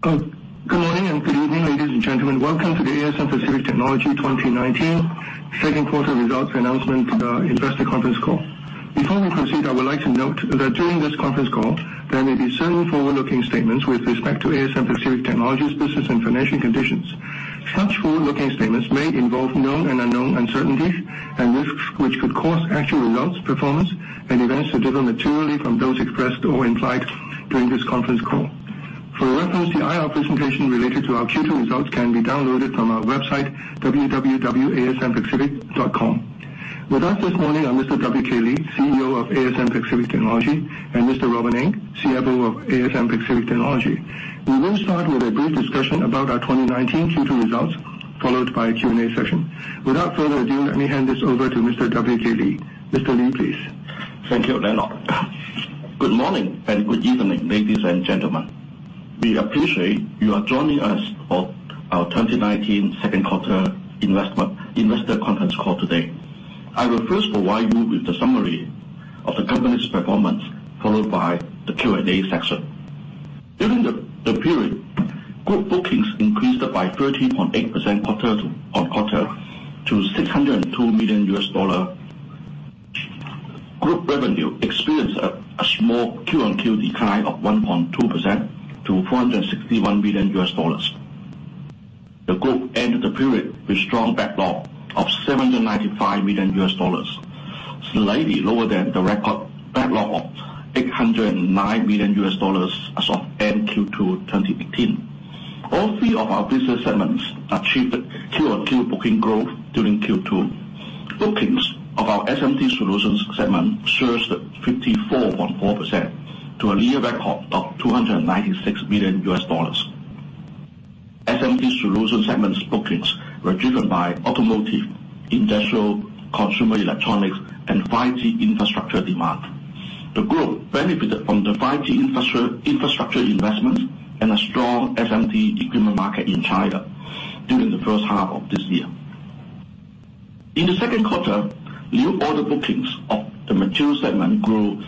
Good morning and good evening, ladies and gentlemen. Welcome to the ASM Pacific Technology 2019 Second Quarter Results Announcement Investor Conference Call. Before we proceed, I would like to note that during this conference call, there may be certain forward-looking statements with respect to ASM Pacific Technology's business and financial conditions. Such forward-looking statements may involve known and unknown uncertainties and risks, which could cause actual results, performance, and events to differ materially from those expressed or implied during this conference call. For reference, the IR presentation related to our Q2 results can be downloaded from our website, www.asmpacific.com. With us this morning are Mr. WK Lee, CEO of ASM Pacific Technology, and Mr. Robin Ng, CFO of ASM Pacific Technology. We will start with a brief discussion about our 2019 Q2 results, followed by a Q&A session. Without further ado, let me hand this over to Mr. WK Lee. Mr. Lee, please. Thank you, Leonard. Good morning and good evening, ladies and gentlemen. We appreciate you are joining us for our 2019 second quarter investor conference call today. I will first provide you with the summary of the company's performance, followed by the Q&A session. During the period, group bookings increased by 13.8% quarter-on-quarter to $602 million. Group revenue experienced a small Q-on-Q decline of 1.2% to $461 billion. The group ended the period with strong backlog of $795 million, slightly lower than the record backlog of $809 million as of end Q2 2018. All three of our business segments achieved Q-on-Q booking growth during Q2. Bookings of our SMT Solutions segment surged 54.4% to a new record of $296 million. SMT Solutions segment's bookings were driven by automotive, industrial, consumer electronics, and 5G infrastructure demand. The group benefited from the 5G infrastructure investment and a strong SMT equipment market in China during the first half of this year. In the second quarter, new order bookings of the Materials segment grew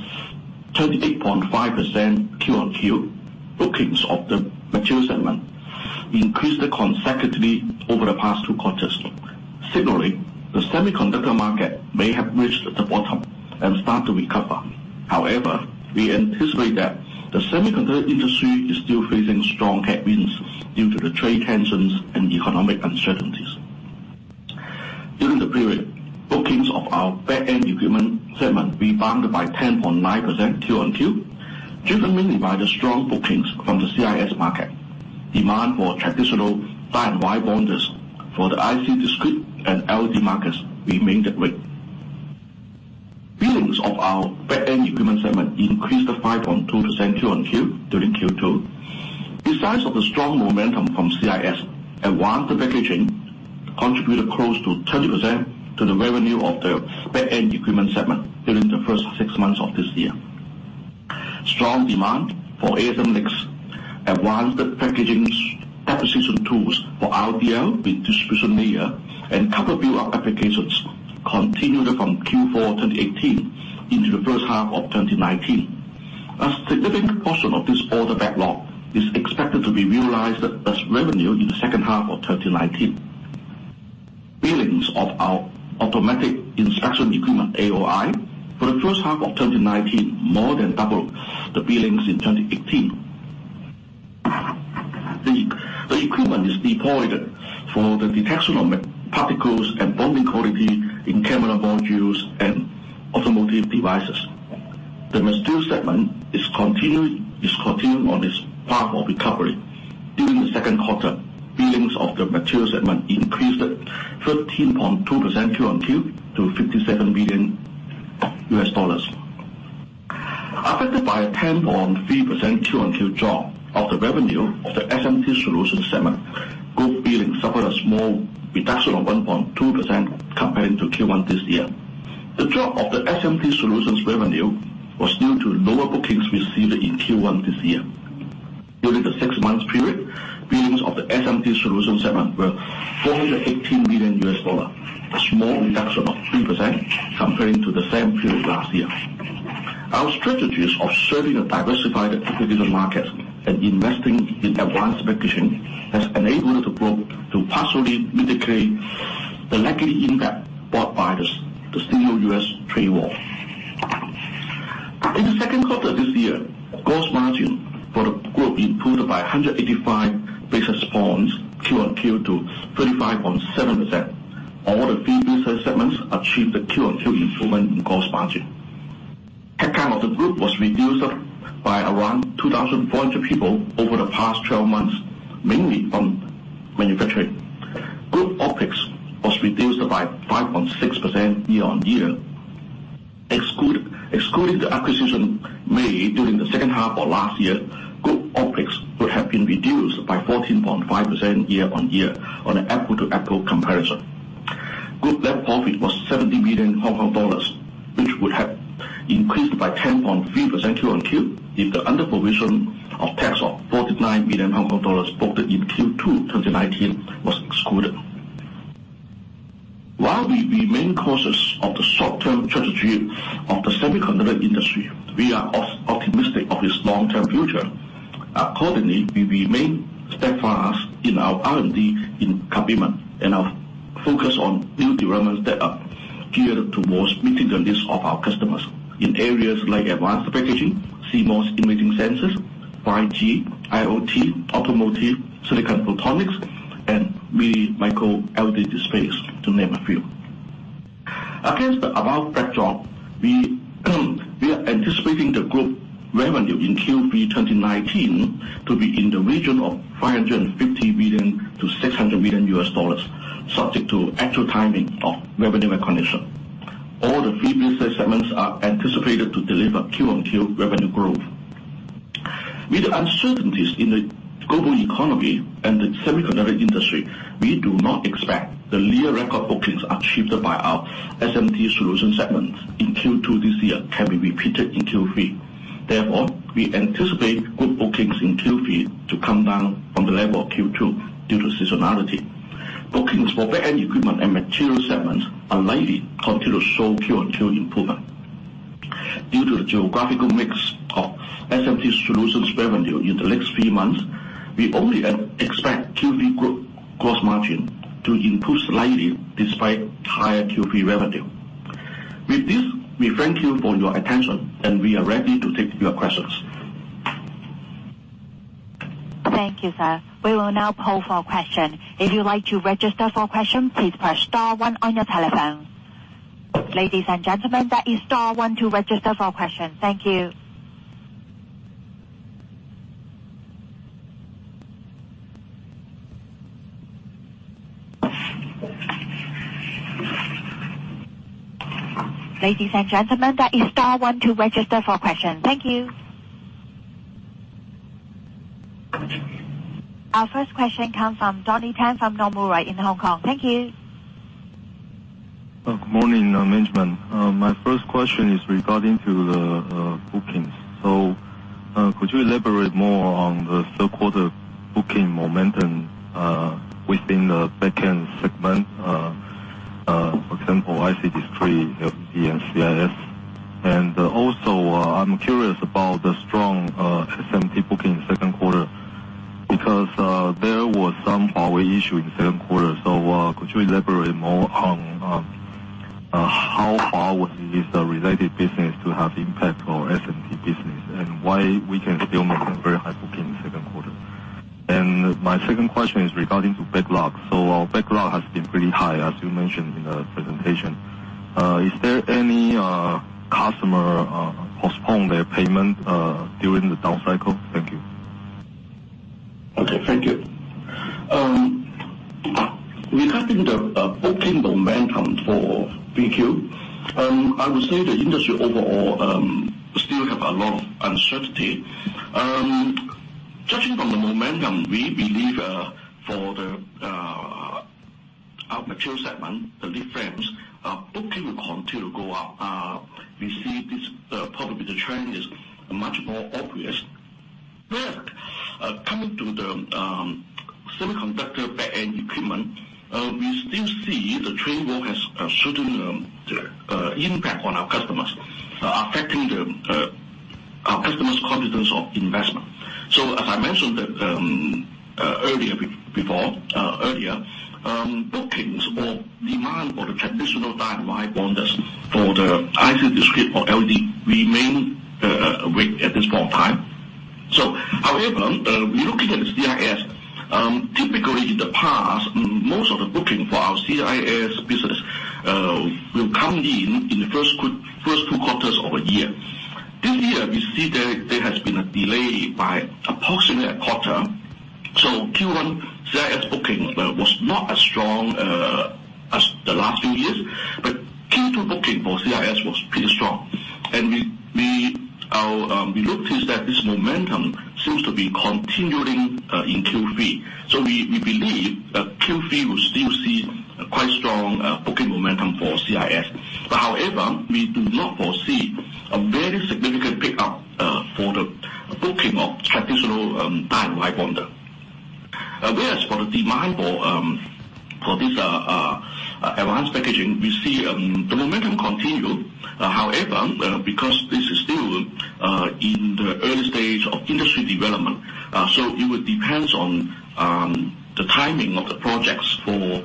28.5% Q-on-Q. Bookings of the Materials segment increased consecutively over the past two quarters, signaling the semiconductor market may have reached the bottom and will start to recover. We anticipate that the semiconductor industry is still facing strong headwinds due to the trade tensions and economic uncertainties. During the period, bookings of our Back-end Equipment segment rebounded by 10.9% Q-on-Q, driven mainly by the strong bookings from the CIS market. Demand for traditional die and wire bonders for the IC discrete and LED markets remained weak. Billings of our Back-end Equipment segment increased 5.2% Q-on-Q during Q2. Besides the strong momentum from CIS, advanced packaging contributed close to 20% to the revenue of the Back-end Equipment segment during the first six months of this year. Strong demand for ASM NEXX advanced packaging deposition tools for RDL with redistribution layer and copper build-up applications continued from Q4 2018 into the first half of 2019. A significant portion of this order backlog is expected to be realized as revenue in the second half of 2019. Billings of our Automatic Inspection Equipment, AOI, for the first half of 2019 more than doubled the billings in 2018. The equipment is deployed for the detection of particles and bonding quality in camera modules and automotive devices. The Materials segment is continuing on its path of recovery. During the second quarter, billings of the Materials segment increased 13.2% Q-on-Q to $57 billion. Affected by a 10.3% Q-on-Q drop of the revenue of the SMT Solutions segment, group billing suffered a small reduction of 1.2% comparing to Q1 this year. The drop of the SMT Solutions revenue was due to lower bookings received in Q1 this year. During the six-month period, billings of the SMT Solutions segment were $418 billion, a small reduction of 3% comparing to the same period last year. Our strategies of serving a diversified equipment market and investing in advanced packaging has enabled the group to partially mitigate the likely impact brought by the Sino-US trade war. In the second quarter of this year, gross margin for the group improved by 185 basis points Q-on-Q to 35.7%. All the three business segments achieved a Q-on-Q improvement in gross margin. Headcount of the group was reduced by around 2,400 people over the past 12 months, mainly from manufacturing. Group OpEx was reduced by 5.6% year-on-year. Excluding the acquisition made during the second half of last year, group OpEx would have been reduced by 14.5% year-on-year on an apple-to-apple comparison. Group net profit was 70 million Hong Kong dollars, which would have increased by 10.3% Q-on-Q if the under provision of tax of 49 million Hong Kong dollars booked in Q2 2019 was excluded. While we remain cautious of the short-term trajectory of the semiconductor industry, we are optimistic of its long-term future. Accordingly, we remain steadfast in our R&D commitment and our focus on new developments that are geared towards meeting the needs of our customers in areas like advanced packaging, CMOS image sensors, 5G, IoT, automotive, silicon photonics, and mini micro-LED displays, to name a few. Against the above backdrop, we are anticipating the group revenue in Q3 2019 to be in the region of $550 million-$600 million, subject to actual timing of revenue recognition. All the three business segments are anticipated to deliver Q-on-Q revenue growth. With the uncertainties in the global economy and the semiconductor industry, we do not expect the year record bookings achieved by our SMT Solutions segment in Q2 this year can be repeated in Q3. We anticipate group bookings in Q3 to come down from the level of Q2 due to seasonality. Bookings for Back-end Equipment and Materials segment are likely continue to show Q-on-Q improvement. Due to the geographical mix of SMT Solutions revenue in the next few months, we only expect Q3 group gross margin to improve slightly despite higher Q3 revenue. With this, we thank you for your attention. We are ready to take your questions. Thank you, sir. We will now poll for a question. If you'd like to register for a question, please press star one on your telephone. Ladies and gentlemen, that is star one to register for a question. Thank you. Ladies and gentlemen, that is star one to register for a question. Thank you. Our first question comes from Donnie Teng from Nomura in Hong Kong. Thank you. Good morning, management. My first question is regarding to the bookings. Could you elaborate more on the third quarter booking momentum within the Back-end Equipment segment? For example, IC discrete, FE and CIS. Also, I'm curious about the strong SMT booking in the second quarter, because there was some Huawei issue in the second quarter. Could you elaborate more on how far would this related business to have impact on SMT business, and why we can still maintain very high booking in the second quarter? My second question is regarding to backlog. Our backlog has been pretty high, as you mentioned in the presentation. Is there any customer postpone their payment during the down cycle? Thank you. Okay, thank you. Regarding the booking momentum for 3Q, I would say the industry overall still have a lot of uncertainty. Judging from the momentum, we believe for our Materials segment, the lead frames, booking will continue to go up. We see this, probably the trend is much more obvious. Coming to the semiconductor Back-end Equipment, we still see the Trade War has a certain impact on our customers, affecting our customers' confidence of investment. As I mentioned earlier, bookings or demand for the traditional die-to-wire bonders for the IC discrete or LED remain weak at this point in time. However, we look at the CIS. Typically in the past, most of the booking for our CIS business will come in the first two quarters of a year. This year, we see there has been a delay by approximately a quarter. Q1 CIS booking was not as strong as the last few years, but Q2 booking for CIS was pretty strong. We noticed that this momentum seems to be continuing in Q3. We believe that Q3 will still see a quite strong booking momentum for CIS. However, we do not foresee a very significant pickup for the booking of traditional die-to-wire bonder. Whereas for the demand for this advanced packaging, we see the momentum continue. However, because this is still in the early stage of industry development, so it would depends on the timing of the projects for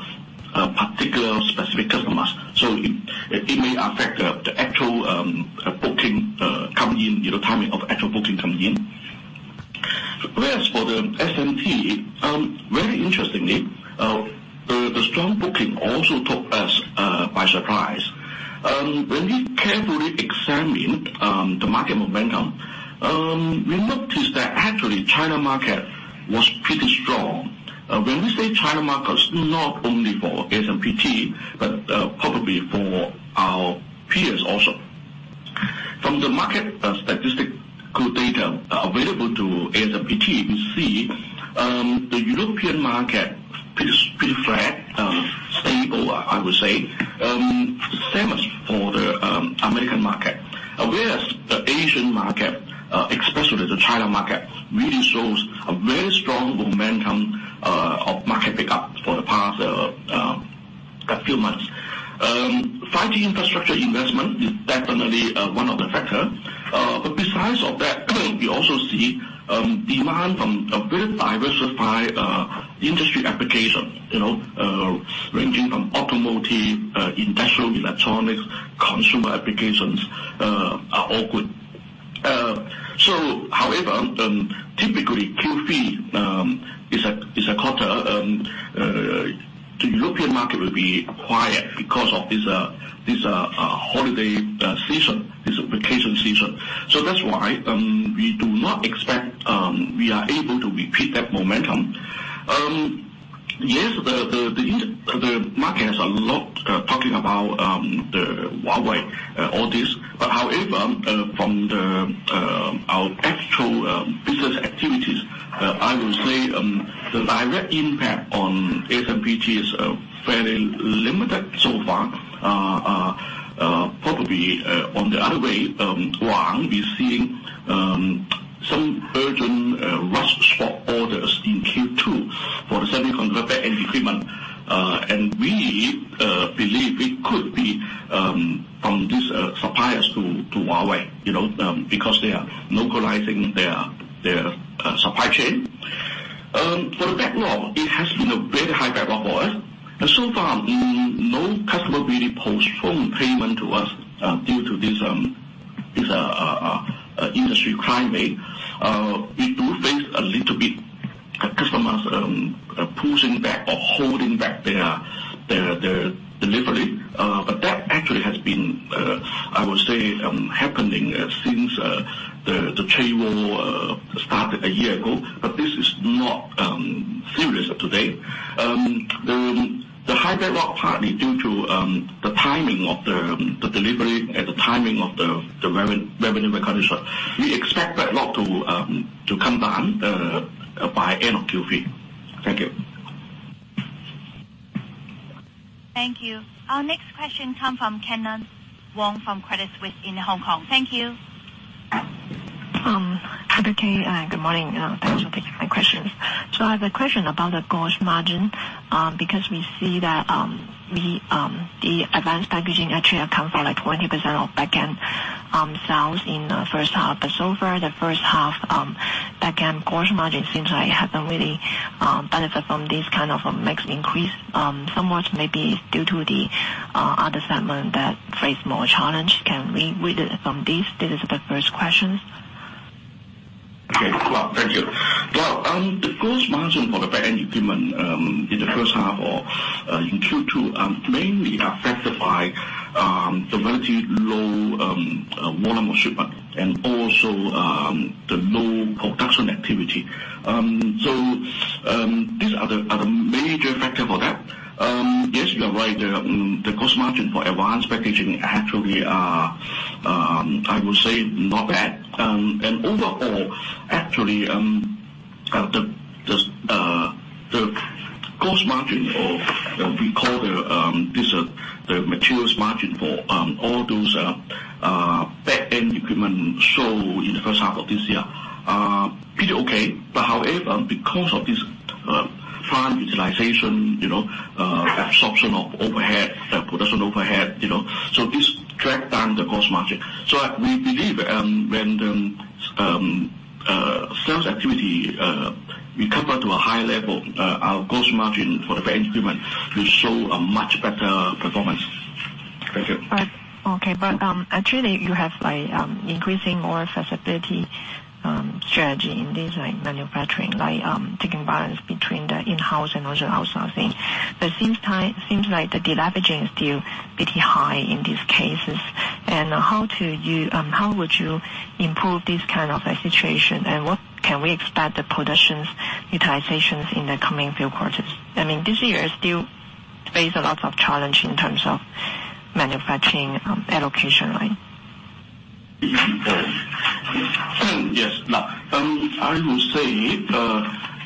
particular specific customers. It may affect the timing of actual booking coming in. Whereas for the SMT, very interestingly, the strong booking also took us by surprise. When we carefully examined the market momentum, we noticed that actually China market was pretty strong. When we say China market, it's not only for ASMPT, but probably for our peers also. From the market statistical data available to ASMPT, we see the European market pretty flat, stable, I would say. Same as for the American market. The market, especially the China market, really shows a very strong momentum of market pickup for the past few months. 5G infrastructure investment is definitely one of the factors. Besides that, we also see demand from a very diversified industry application. Ranging from automotive, industrial, electronics, consumer applications are all good. However, typically, Q3 is a quarter the European market will be quiet because of this holiday season, this vacation season. That's why we do not expect we are able to repeat that momentum. Yes, the market has a lot talking about Huawei, all this. However, from our actual business activities, I would say the direct impact on ASMPT is fairly limited so far. Probably, on the other way around, we're seeing some urgent rush spot orders in Q2 for the semiconductor end equipment. We believe it could be from these suppliers to Huawei, because they are localizing their supply chain. For the backlog, it has been a very high backlog for us. So far, no customer really postponed payment to us due to this industry climate. We do face a little bit customers pushing back or holding back their delivery. That actually has been, I would say, happening since the trade war started a year ago, but this is not serious today. The high backlog partly due to the timing of the delivery and the timing of the revenue recognition. We expect backlog to come down by end of Q3. Thank you. Thank you. Our next question come from Kyna Wong from Credit Suisse in Hong Kong. Thank you. Hi, WK Lee. Good morning. Thanks for taking my questions. I have a question about the gross margin, because we see that the advanced packaging actually account for 20% of Back-end sales in the first half. So far, the first half Back-end gross margin seems like it hasn't really benefit from this kind of mixed increase. Somewhat, maybe it's due to the other segment that face more challenge. Can we read it from this? This is the first question. Okay. Well, thank you. Well, the gross margin for the Back-end Equipment in the first half or in Q2, mainly affected by the relatively low volume of shipment and also the low production activity. These are the major factor for that. Yes, you are right. The gross margin for advanced packaging actually are, I would say, not bad. Overall, actually, the gross margin, or we call this the Materials margin for all those Back-end Equipment show in the first half of this year, pretty okay. However, because of this plant utilization, absorption of overhead, production overhead, so this track down the gross margin. We believe when the sales activity recover to a high level, our gross margin for the Back-end Equipment will show a much better performance. Thank you. Okay, actually, you have increasing more flexibility strategy in this manufacturing, taking balance between the in-house and also outsourcing. Seems like the deleveraging is still pretty high in these cases. How would you improve this kind of a situation, and what can we expect the production utilizations in the coming few quarters? I mean, this year still face a lot of challenge in terms of manufacturing allocation, right? Yes. I would say,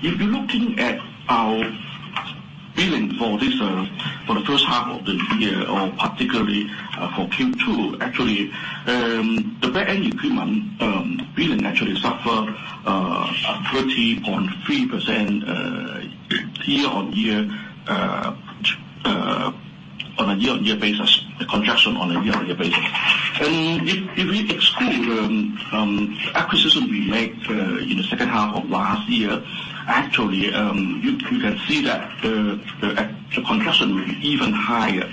if you're looking at our billing for the first half of the year, or particularly for Q2, actually, the Back-end Equipment billing actually suffer a 30.3% on a year-on-year basis, the contraction on a year-on-year basis. If we exclude acquisition we make in the second half of last year, actually, you can see that the contraction will be even higher.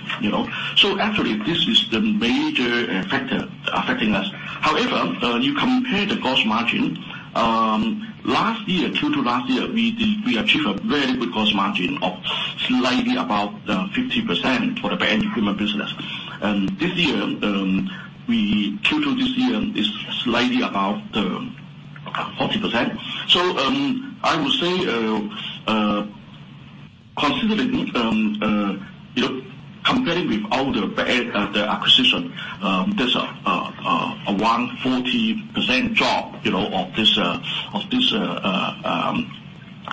Actually, this is the major factor affecting us. However, you compare the gross margin, last year, Q2 last year, we achieve a very good gross margin of slightly above 50% for the Back-end Equipment business. Q2 this year is slightly above 40%. I would say, comparing with all the acquisition, there's a 140% drop of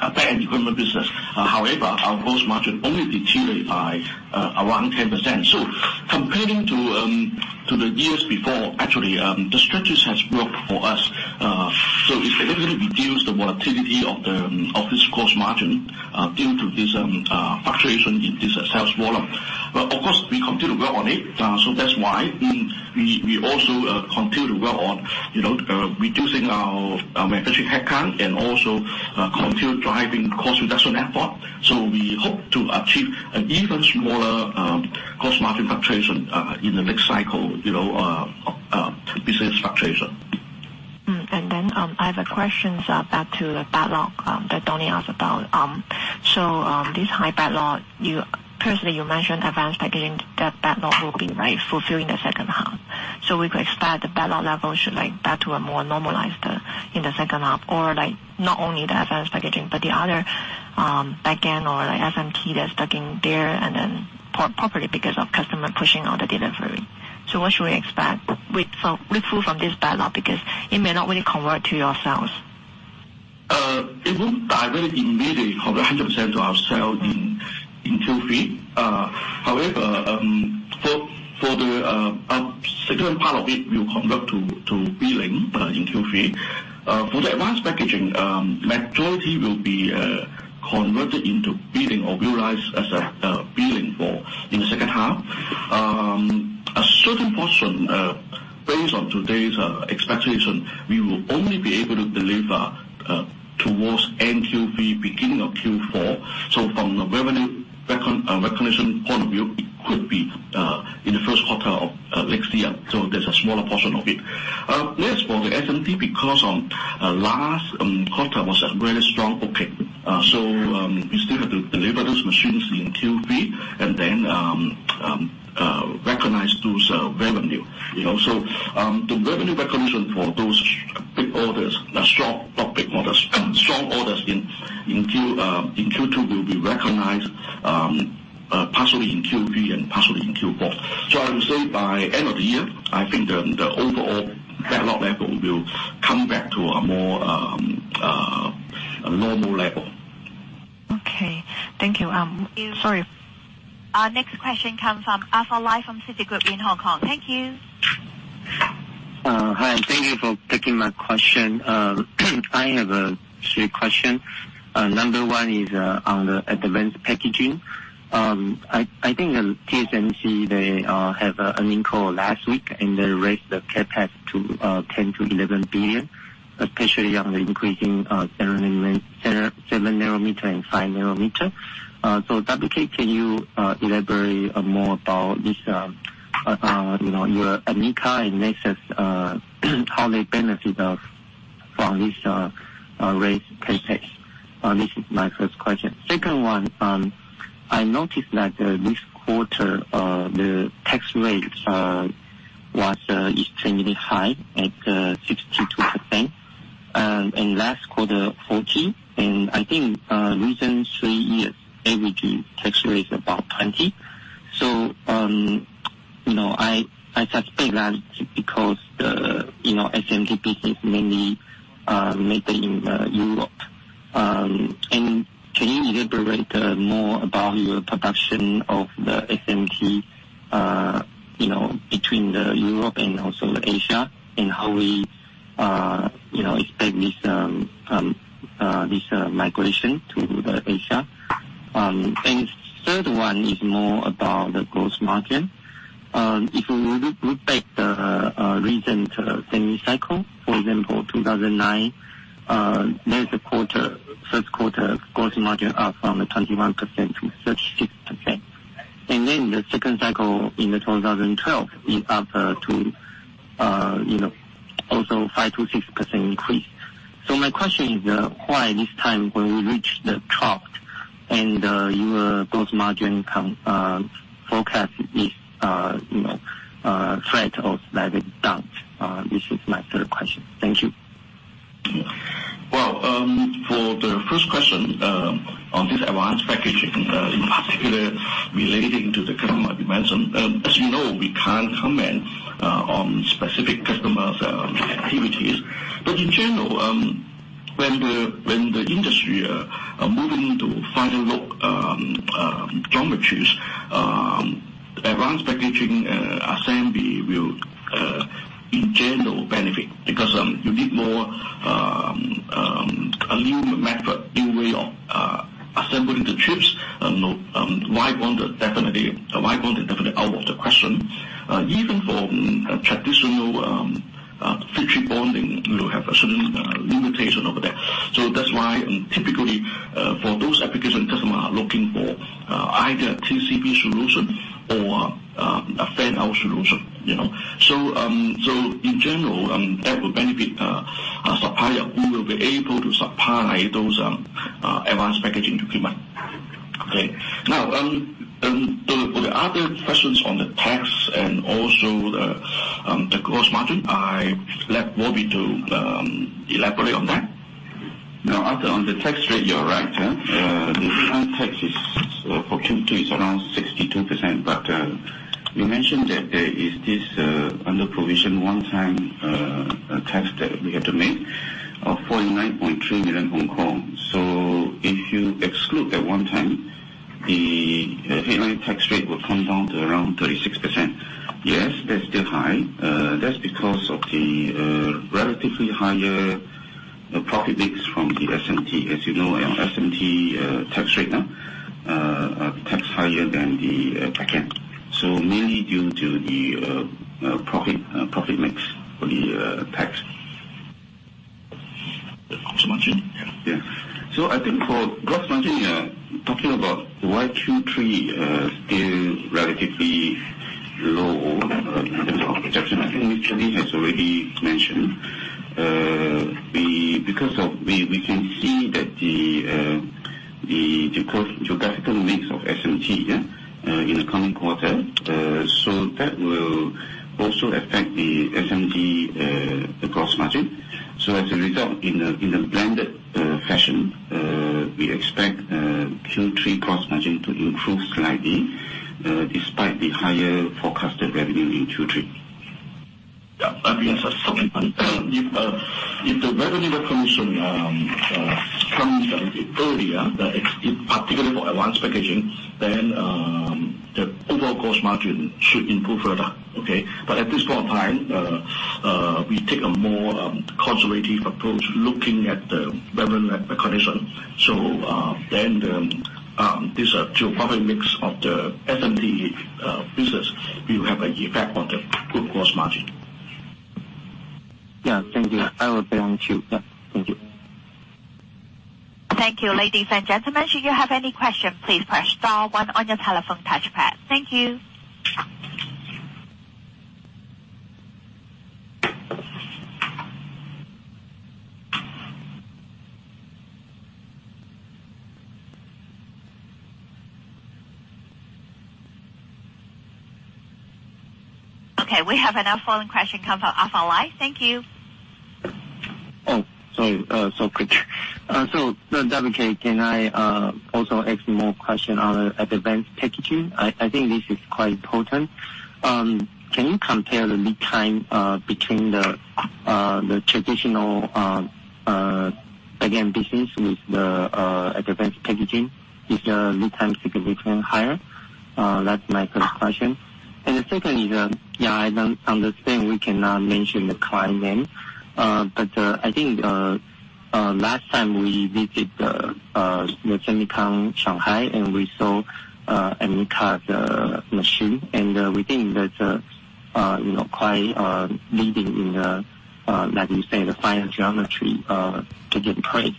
Our Back-end Equipment business. However, our gross margin only deteriorate by around 10%. Comparing to the years before, actually, the strategies has worked for us. It really reduced the volatility of this gross margin due to this fluctuation in this sales volume. Of course, we continue to work on it. That's why we also continue to work on reducing our manufacturing headcount and also continue driving cost reduction effort. We hope to achieve an even smaller gross margin fluctuation in the next cycle, business fluctuation. I have a question back to the backlog that Donnie asked about. This high backlog, previously you mentioned advanced packaging, that backlog will be fulfilling the second half. We could expect the backlog level should be back to a more normalized in the second half or not only the advanced packaging, but the other back end or SMT that's stuck in there and then properly because of customer pushing out the delivery. What should we expect? We pull from this backlog because it may not really convert to your sales. It won't directly immediately convert 100% to our sale in Q3. For the second part of it will convert to billing in Q3. For the advanced packaging, majority will be converted into billing or utilized as a billing in the second half. A certain portion, based on today's expectation, we will only be able to deliver towards end Q3, beginning of Q4. From the revenue recognition point of view, it could be in the first quarter of next year. There's a smaller portion of it. Yes, for the SMT, because last quarter was a very strong booking, we still have to deliver those machines in Q3, and then recognize those revenue. The revenue recognition for those big orders, not big orders, strong orders in Q2 will be recognized partially in Q3 and partially in Q4. I would say by end of the year, I think the overall backlog level will come back to a more normal level. Okay. Thank you. Thank you. Sorry. Our next question comes from Arthur Lai from Citigroup in Hong Kong. Thank you. Hi, thank you for taking my question. I have three questions. Number one is on the advanced packaging. I think TSMC, they have an earning call last week, and they raised the CapEx to 10 billion-11 billion, especially on the increasing 7 nm and 5 nm. So WK, can you elaborate more about your AMICRA and NEXX, how they benefit from this raised CapEx? This is my first question. Second one, I noticed that this quarter, the tax rate was extremely high at 62%, and last quarter 40%. I think recent three years, average tax rate is about 20%. So, I suspect that because the SMT business mainly made in Europe. Can you elaborate more about your production of the SMT between the Europe and also the Asia, and how we expect this migration to the Asia? Third one is more about the gross margin. If we look back the recent semi cycle, for example, 2009, there's a first quarter gross margin up from 21%-36%. The second cycle in the 2012 is up to also 5%-6% increase. My question is why this time when we reach the trough, and your gross margin forecast is flat or slightly down? This is my third question. Thank you. For the first question on this advanced packaging, in particular relating to the customer you mentioned, as you know, we can't comment on specific customers' activities. In general, when the industry are moving into finer line geometries, advanced packaging assembly will, in general, benefit because you need more a new method, new way of assembling the chips. Wire bond is definitely out of the question. Even for traditional flip-chip bonding, you will have a certain limitation over there. That's why typically for those applications, customer are looking for either a TCB solution or a fan-out solution. In general, that will benefit a supplier who will be able to supply those advanced packaging equipment. Okay. The other questions from the tax and also the gross margin, I let Robin to elaborate on that. On the tax rate, you're right. Tax for Q2 is around 62%, but you mentioned that there is this under-provision one-time tax that we have to make of 49.3 million Hong Kong. If you exclude that one time, the headline tax rate will come down to around 36%. Yes, that's still high. That's because of the relatively higher profit mix from the SMT. As you know, our SMT tax rate now tax higher than the Back-end. Mainly due to the profit mix for the tax. Gross margin? Yeah. I think for gross margin, talking about why Q3 is still relatively low in terms of reduction, I think WK Lee has already mentioned. We can see that the geographical mix of SMT in the coming quarter, so that will also affect the SMT gross margin. As a result, in a blended fashion, we expect Q3 gross margin to improve slightly despite the higher forecasted revenue in Q3. Yeah. If the revenue recognition comes a little bit earlier, particularly for advanced packaging, then the overall gross margin should improve further. Okay? At this point in time, we take a more conservative approach looking at the revenue recognition. This geographic mix of the SMT business will have an effect on the group gross margin. Yeah. Thank you. I will bear on queue. Yeah. Thank you. Thank you. Ladies and gentlemen, should you have any questions, please press star one on your telephone touch pad. Thank you. Okay, we have another phone question come from Arthur Lai. Thank you. Quick. WK, can I also ask more question on advanced packaging? I think this is quite important. Can you compare the lead time between the traditional back-end business with the advanced packaging? Is the lead time significantly higher? That's my first question. The second is, I understand we cannot mention the client name, but I think last time we visited the SEMICON China, and we saw AMICRA's machine, and we think that's quite leading in the, like you said, the final geometry to get placed.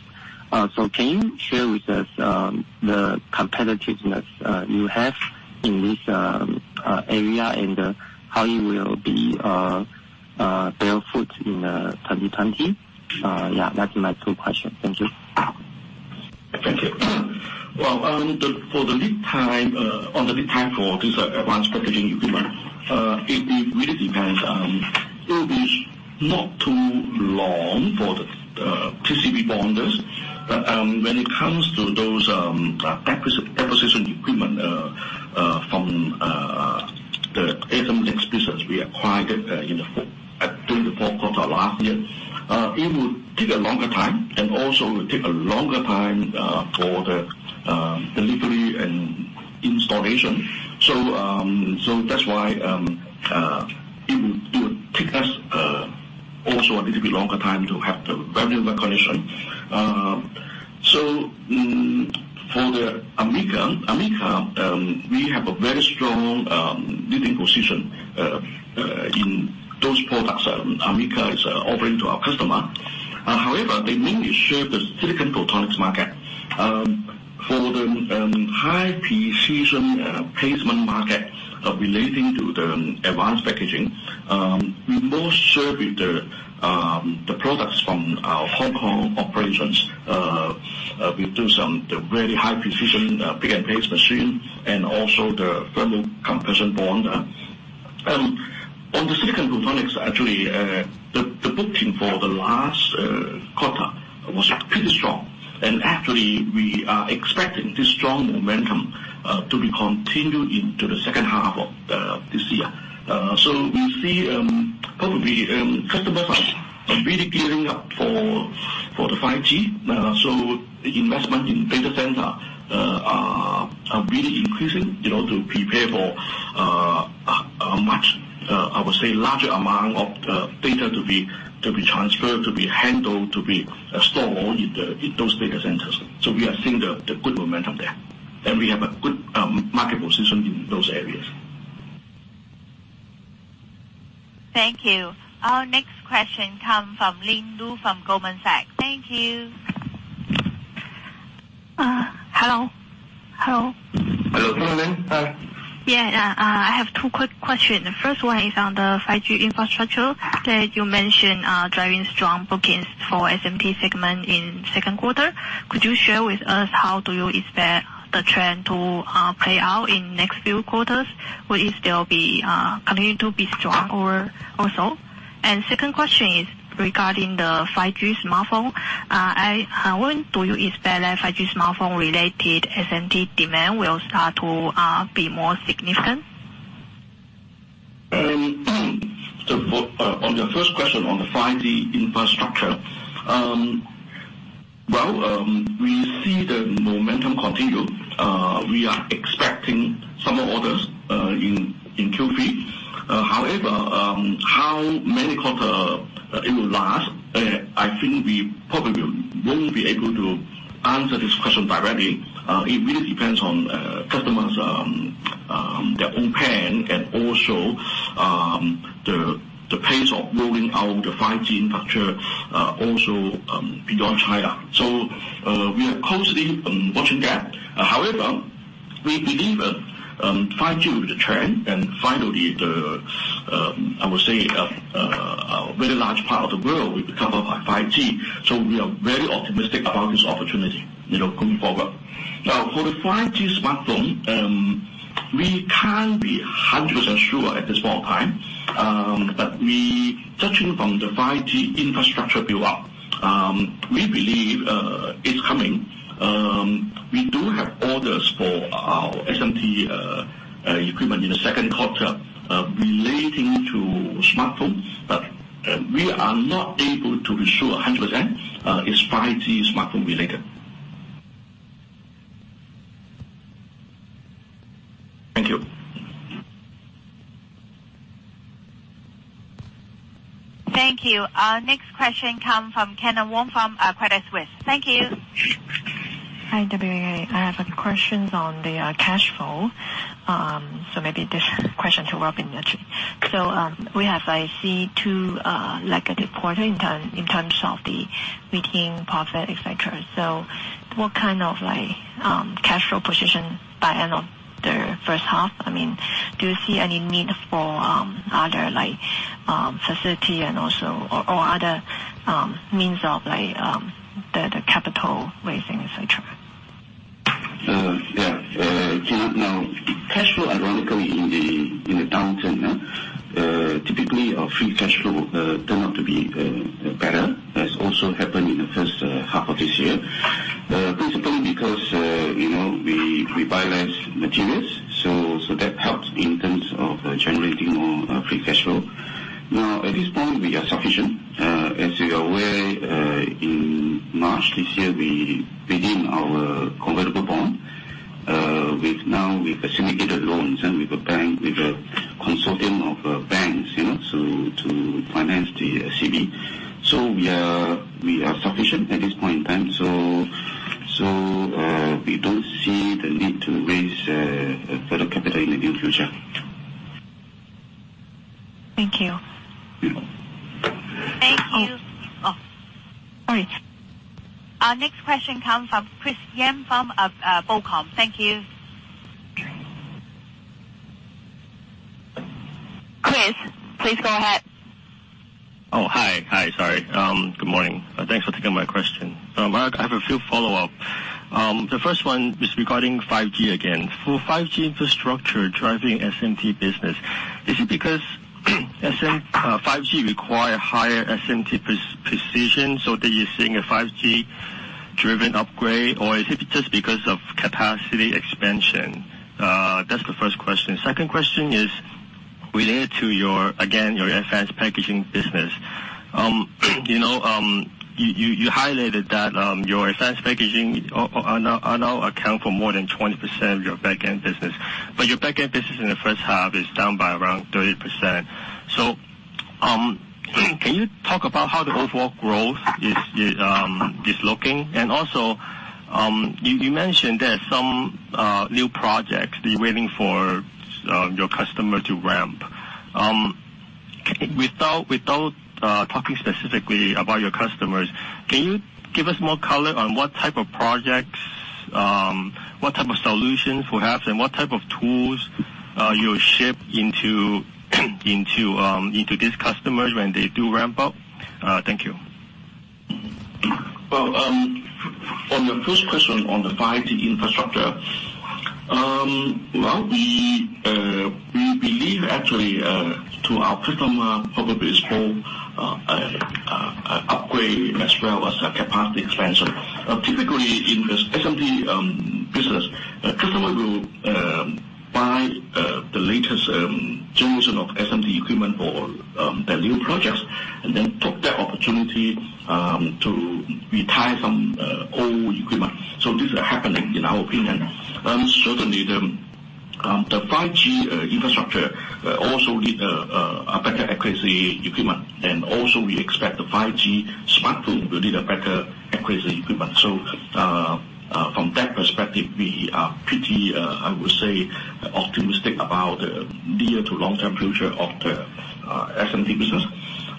Can you share with us the competitiveness you have in this area, and how you will be breakeven in 2020? Yeah, that's my two question. Thank you. Thank you. Well, on the lead time for this advanced packaging equipment, it really depends. It is not too long for the PCB bonders. When it comes to those deposition equipment from the ASM NEXX business we acquired during the fourth quarter last year, it would take a longer time, and also it will take a longer time for the delivery and installation. That's why it would take us also a little bit longer time to have the revenue recognition. For the AMICRA, we have a very strong leading position in those products AMICRA is offering to our customer. However, they mainly serve the silicon photonics market. For the high-precision placement market relating to the advanced packaging, we more serve with the products from our Hong Kong operations. We do some very high-precision pick-and-place machine and also the thermo-compression bonder. On the silicon photonics, actually, the booking for the last quarter was pretty strong, and actually we are expecting this strong momentum to be continued into the second half of this year. We see probably customers are really gearing up for the 5G. The investment in data center are really increasing to prepare for a much, I would say, larger amount of data to be transferred, to be handled, to be stored in those data centers. We are seeing the good momentum there, and we have a good market position in those areas. Thank you. Our next question comes from Lynn Luo from Goldman Sachs. Thank you. Hello? Hello. Hello. Good morning. Hi. Yeah. I have two quick questions. The first one is on the 5G infrastructure that you mentioned are driving strong bookings for SMT segment in second quarter. Could you share with us how do you expect the trend to play out in next few quarters? Will it still continue to be strong also? Second question is regarding the 5G smartphone. When do you expect that 5G smartphone-related SMT demand will start to be more significant? On the first question on the 5G infrastructure. We see the momentum continue. We are expecting summer orders in Q3. How many quarters it will last, I think we probably won't be able to answer this question directly. It really depends on customers, their own plan and also the pace of rolling out the 5G infrastructure also beyond China. We are closely watching that. We believe 5G is a trend and finally, I would say, a very large part of the world will be covered by 5G. We are very optimistic about this opportunity going forward. For the 5G smartphone, we can't be 100% sure at this point in time. Judging from the 5G infrastructure build-up, we believe it's coming. We do have orders for our SMT equipment in the second quarter relating to smartphones, but we are not able to be sure 100% it's 5G smartphone related. Thank you. Thank you. Next question come from Kyna Wong from Credit Suisse. Thank you. Hi, WK. I have a question on the cash flow. Maybe this question to Robin, actually. I see two negative quarters in terms of the net profit, et cetera. What kind of cash flow position by end of the first half? Do you see any need for other facilities and also, or other means of the capital raising, et cetera? Yeah. Cash flow ironically in the downturn, typically our free cash flow turn out to be better, has also happened in the first half of this year. Principally because we buy less materials, that helps in terms of generating more free cash flow. At this point, we are sufficient. As you are aware, in March this year, we paid in our convertible bond. We've assimilated loans and with a consortium of banks to finance the CV. We are sufficient at this point in time, so we don't see the need to raise further capital in the near future. Thank you. Thank you. Oh, sorry. Our next question comes from Chris Yim from BOCOM. Thank you. Chris, please go ahead. Oh, hi. Sorry. Good morning. Thanks for taking my question. I have a few follow-up. The first one is regarding 5G again. For 5G infrastructure driving SMT business, is it because 5G require higher SMT precision so that you're seeing a 5G-driven upgrade, or is it just because of capacity expansion? That's the first question. Second question is related to, again, your advanced packaging business. You highlighted that your advanced packaging are now account for more than 20% of your Back-end Equipment. Your Back-end Equipment in the first half is down by around 30%. Can you talk about how the overall growth is looking? Also, you mentioned there are some new projects that you're waiting for your customer to ramp. Without talking specifically about your customers, can you give us more color on what type of projects, what type of solutions perhaps, and what type of tools you ship into these customers when they do ramp up? Thank you. Well, on the first question on the 5G infrastructure. We believe actually, to our customer, probably is for upgrade as well as a capacity expansion. Typically, in the SMT business, a customer will buy the latest generation of SMT equipment for their new projects and then took that opportunity to retire some old equipment. This is happening in our opinion. Certainly, the 5G infrastructure also need a better accuracy equipment. Also we expect the 5G smartphone will need a better accuracy equipment. From that perspective, we are pretty, I would say, optimistic about the near to long-term future of the SMT business.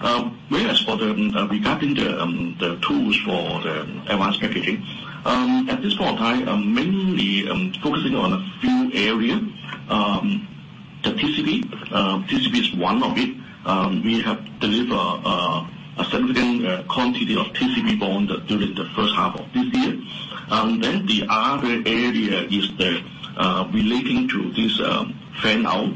Whereas regarding the tools for the advanced packaging, at this point in time, mainly focusing on a few area. The TCB. TCB is one of it. We have delivered A significant quantity of TCB bond during the first half of this year. The other area is relating to this fan-out.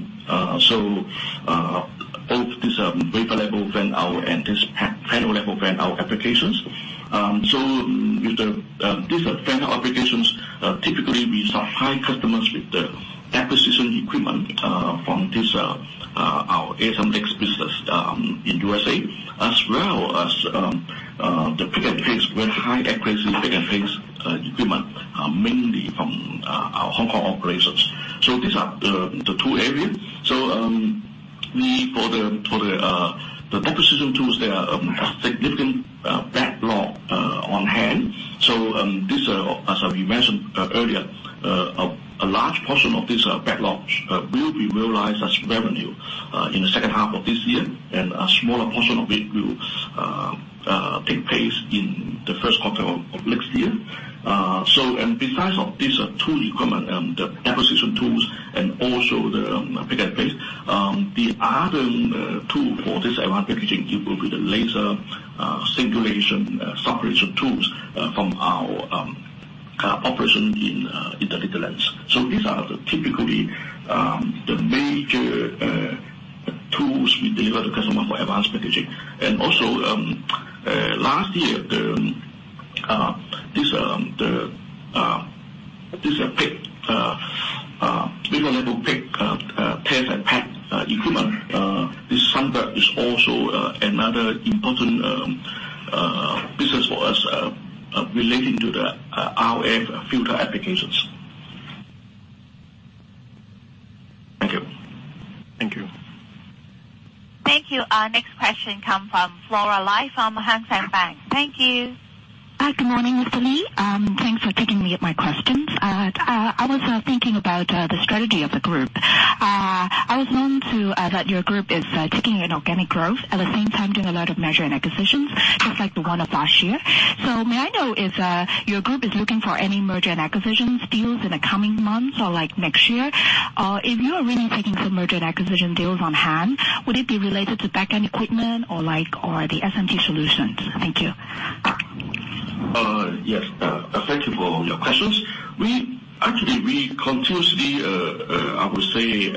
Both this wafer-level fan-out and this panel-level fan-out applications. These fan-out applications, typically, we supply customers with the deposition equipment from our ASM NEXX business in U.S.A., as well as the pick and place, very high accuracy pick and place equipment, mainly from our Hong Kong operations. These are the two areas. For the deposition tools, they are a significant backlog on hand. As we mentioned earlier, a large portion of this backlog will be realized as revenue in the second half of this year, and a smaller portion of it will take place in the first quarter of next year. Besides these two equipment, the deposition tools and also the pick and place, the other tool for this advanced packaging will be the laser singulation separation tools from our operation in the Netherlands. Also, last year, this wafer level pick, place and pack equipment, this SUNBIRD is also another important business for us relating to the RF filter applications. Thank you. Thank you. Thank you. Our next question come from Flora Lai from Hang Seng Bank. Thank you. Hi. Good morning, Mr. Lee. Thanks for taking my questions. I was thinking about the strategy of the group. I was known that your group is taking an organic growth, at the same time, doing a lot of merger and acquisitions, just like the one of last year. May I know if your group is looking for any merger and acquisitions deals in the coming months or next year? If you are really taking some merger and acquisition deals on hand, would it be related to Back-end Equipment or the SMT Solutions? Thank you. Yes. Thank you for your questions. Actually, we continuously, I would say,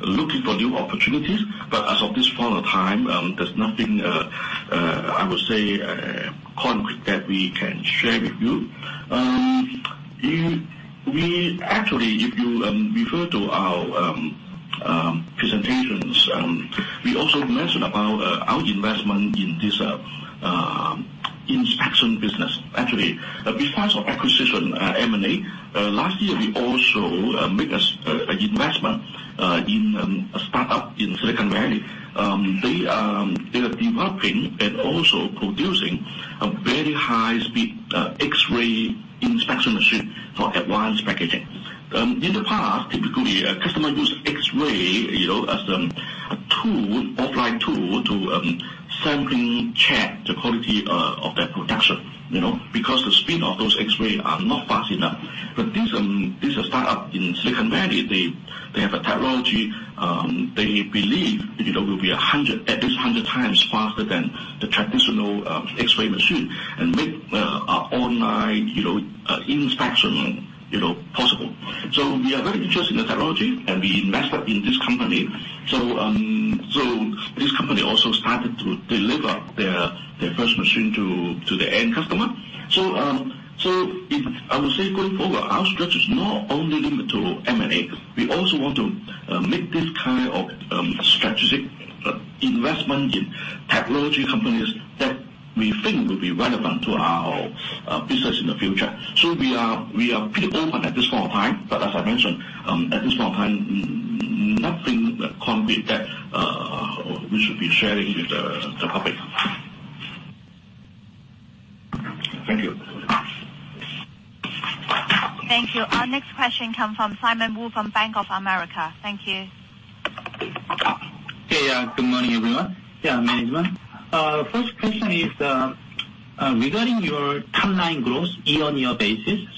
looking for new opportunities, but as of this point of time, there's nothing, I would say, concrete that we can share with you. Actually, if you refer to our presentations, we also mentioned about our investment in this inspection business. Actually, besides acquisition, M&A, last year we also make an investment in a startup in Silicon Valley. They are developing and also producing a very high speed X-ray inspection machine for advanced packaging. In the past, typically, a customer use X-ray as an offline tool to sampling check the quality of their production. The speed of those X-ray are not fast enough. This startup in Silicon Valley, they have a technology they believe will be at least 100 times faster than the traditional X-ray machine and make online inspection possible. We are very interested in the technology, and we invested in this company. This company also started to deliver their first machine to the end customer. I would say going forward, our strategy is not only limited to M&A, we also want to make this kind of strategic investment in technology companies that we think will be relevant to our business in the future. We are pretty open at this point of time, but as I mentioned, at this point of time, nothing concrete that we should be sharing with the public. Thank you. Thank you. Our next question come from Simon Woo from Bank of America. Thank you. Hey. Good morning, everyone. Yeah, management. First question is, regarding your top-line growth year-on-year basis,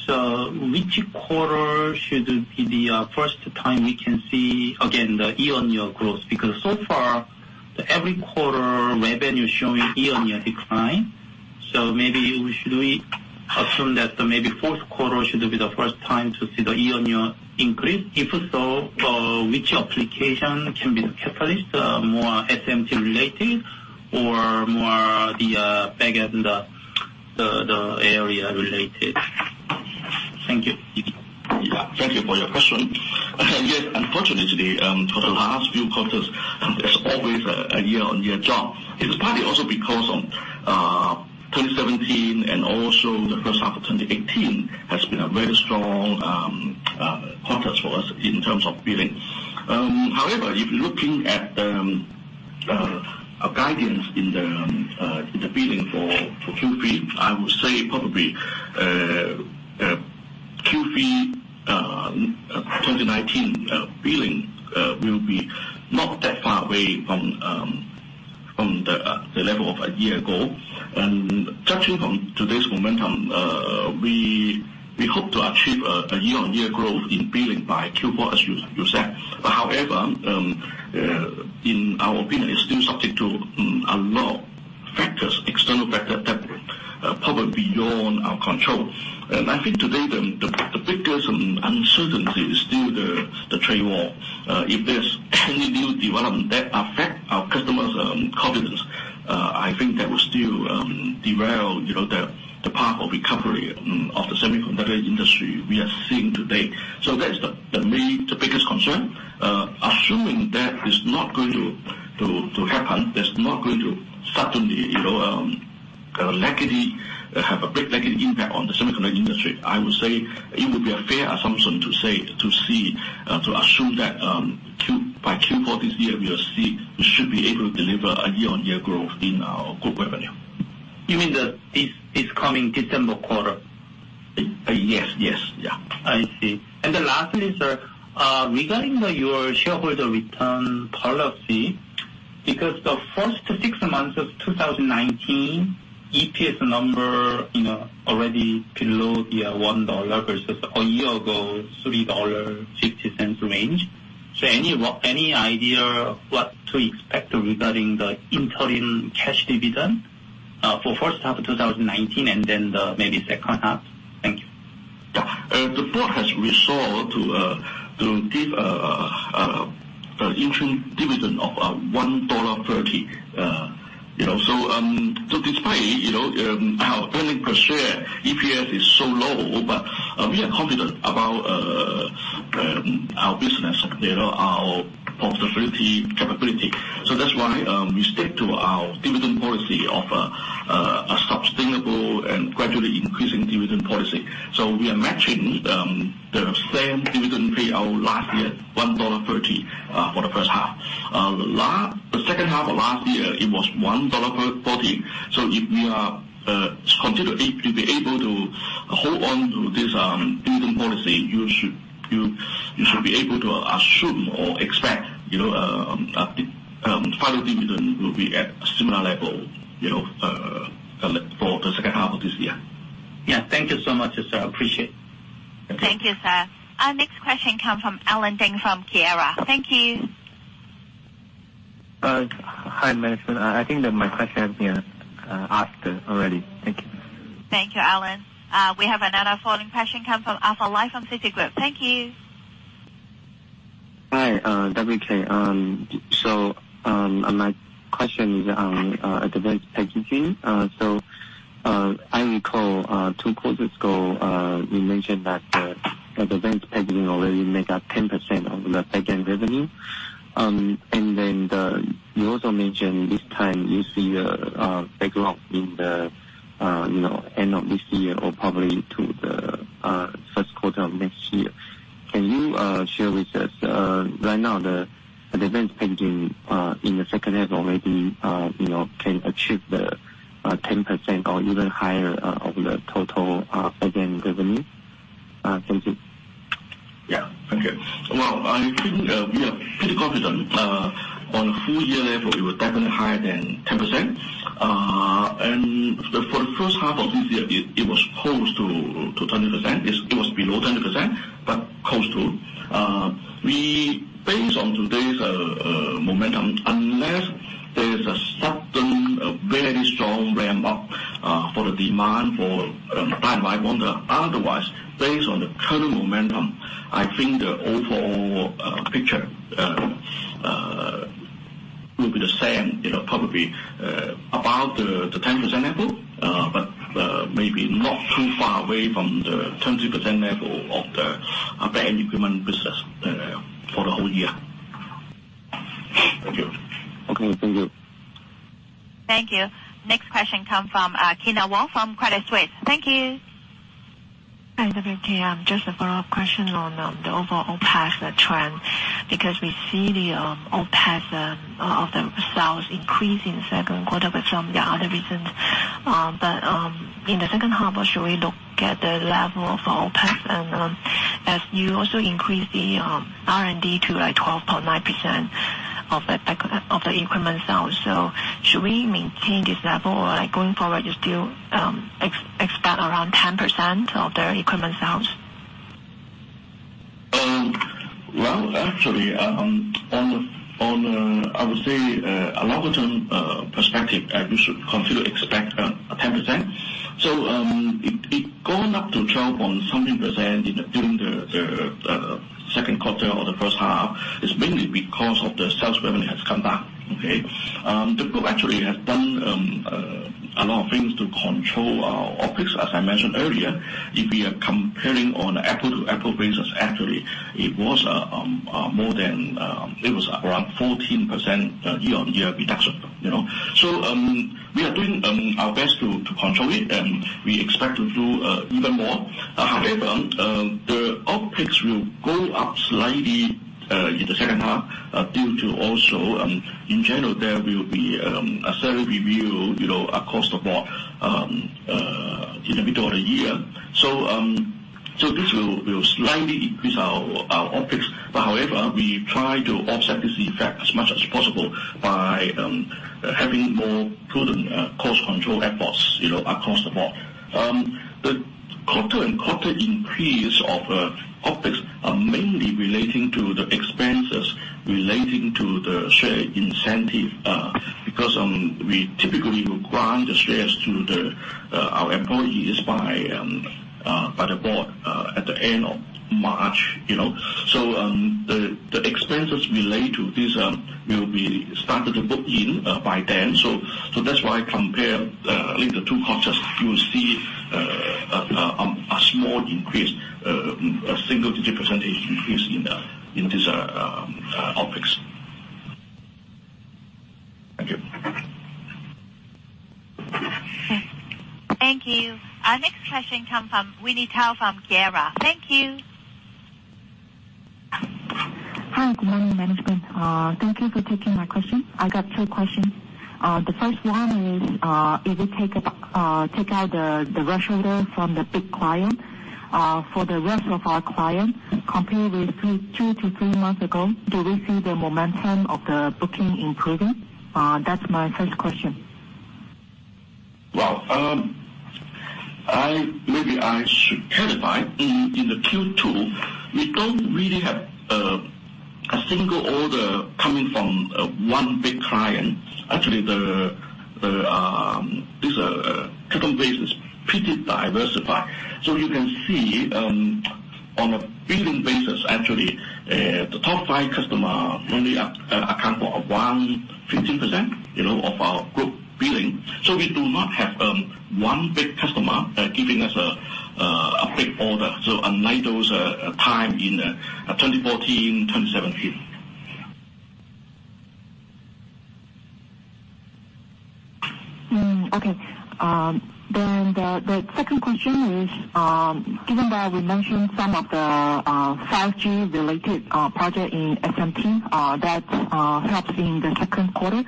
which quarter should be the first time we can see again the year-on-year growth? Because so far, every quarter revenue showing year-on-year decline. Maybe we should assume that maybe fourth quarter should be the first time to see the year-on-year increase. If so, which application can be the catalyst, more SMT related or more the Back-end area related? Thank you. Yeah. Thank you for your question. Unfortunately, for the last few quarters, there's always a year-on-year drop. It was partly also because of 2017 and also the first half of 2018 has been a very strong quarters for us in terms of billing. If you're looking at the guidance in the billing for Q3, I would say probably Q3 2019 billing will be not that far away from the level of a year ago. Judging from today's momentum, we hope to achieve a year-on-year growth in billing by Q4, as you said. However, in our opinion, it's still subject to a lot of factors, external factors that are probably beyond our control. I think today, the biggest uncertainty is still the trade war. If there's any new development that affects our customers' confidence, I think that will still derail the path of recovery of the semiconductor industry we are seeing today. That is the biggest concern. Assuming that is not going to happen, that's not going to suddenly have a big negative impact on the semiconductor industry, I would say it would be a fair assumption to assume that by Q4 this year, we should be able to deliver a year-on-year growth in our group revenue. You mean this coming December quarter? Yes. I see. Lastly, sir, regarding your shareholder return policy, because the first six months of 2019, EPS number already below 1 dollar versus a year ago, 3.60 dollar range. Any idea what to expect regarding the interim cash dividend for the first half of 2019 and then maybe the second half? Thank you. Yeah. The board has resolved to give an interim dividend of 1.30 dollar. Despite our earning per share, EPS, is so low, but we are confident about our business, our profitability capability. That's why we stick to our dividend policy of a sustainable and gradually increasing dividend policy. We are matching the same dividend payout last year, 1.30 dollar for the first half. The second half of last year, it was 1.40 dollar. If we are able to hold on to this dividend policy, you should be able to assume or expect final dividend will be at a similar level for the second half of this year. Yeah. Thank you so much, sir. Appreciate it. Thank you, sir. Our next question comes from Allen Deng from Kiara. Thank you. Hi, management. I think that my question has been asked already. Thank you. Thank you, Allen. We have another following question come from Arthur Lai from Citigroup. Thank you. Hi, WK. My question is on advanced packaging. I recall two quarters ago, you mentioned that the advanced packaging already made up 10% of the Back-end Equipment revenue. You also mentioned this time you see a backlog in the end of this year or probably to the first quarter of next year. Can you share with us right now the advanced packaging in the second half already can achieve the 10% or even higher of the total Back-end Equipment revenue? Thank you. Yeah. Okay. Well, I think we are pretty confident. On a full year level, it was definitely higher than 10%. For the first half of this year, it was close to 20%. It was below 20%, but close to. Based on today's momentum, unless there's a sudden very strong ramp-up for the demand for dynamic random access memory, otherwise, based on the current momentum, I think the overall picture will be the same. Probably above the 10% level, but maybe not too far away from the 20% level of the Back-end Equipment business for the whole year. Thank you. Okay, thank you. Thank you. Next question come from Kyna Wong from Credit Suisse. Thank you. Hi, WK. Just a follow-up question on the overall OpEx trend, because we see the OpEx of the sales increase in the second quarter, but from the other reasons. In the second half, should we look at the level of OpEx? As you also increase the R&D to 12.9% of the increment sales, should we maintain this level or going forward, you still expect around 10% of the increment sales? Well, actually, on I would say a longer-term perspective, you should continue to expect 10%. It going up to 12 point something percent during the second quarter or the first half is mainly because of the sales revenue has come back. Okay. The group actually has done a lot of things to control our OpEx. As I mentioned earlier, if we are comparing on an apple-to-apple basis, actually, it was around 14% year-on-year reduction. We are doing our best to control it, and we expect to do even more. However, the OpEx will go up slightly in the second half due to also, in general, there will be a salary review across the board in the middle of the year. This will slightly increase our OpEx. However, we try to offset this effect as much as possible by having more prudent cost control efforts across the board. The quarter-on-quarter increase of OpEx is mainly relating to the expenses relating to the share incentive, because we typically will grant the shares to our employees by the board at the end of March. The expenses related to this will be started to book in by then. That's why compare I think the two quarters, you will see a small increase, a single-digit percentage increase in this OpEx. Thank you. Thank you. Our next question come from Winnie Tao from Kiara. Thank you. Hi. Good morning, management. Thank you for taking my question. I got two questions. The first one is, if you take out the rush order from the big client, for the rest of our clients, compared with two to three months ago, do we see the momentum of the booking improving? That's my first question. Well, maybe I should clarify. In the Q2, we don't really have a single order coming from one big client. Actually, this current basis pretty diversified. You can see, on a billing basis, actually, the top five customer only account for 15% of our group billing. We do not have one big customer giving us a big order, unlike those time in 2014, 2017. Okay. The second question is, given that we mentioned some of the 5G related project in SMT that helps in the second quarter,